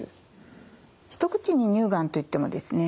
一口に乳がんと言ってもですね